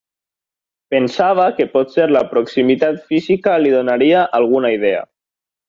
Pensava que potser la proximitat física li donaria alguna idea.